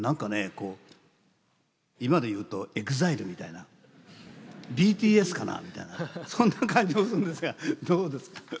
こう今で言うとＥＸＩＬＥみたいなＢＴＳかなみたいなそんな感じもするんですがどうですか？